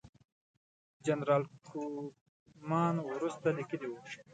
جنرال کوفمان وروسته لیکلي وو.